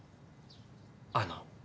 あの。